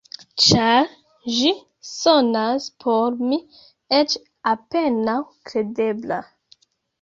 Ĉar ĝi sonas por mi eĉ apenaŭ kredebla.